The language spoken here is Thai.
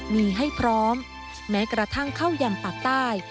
มีให้พร้อมแม้กระทั่งเข้ายังปากใต้